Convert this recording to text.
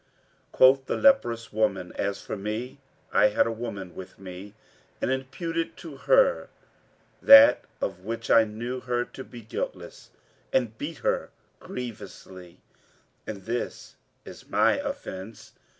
Quoth the leprous woman, "As for me, I had a woman with me and imputed to her that of which I knew her to be guiltless, and beat her grievously; and this is my offence."